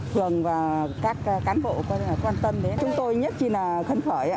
phường và các cán bộ quan tâm đến chúng tôi nhất khi là khấn khởi ạ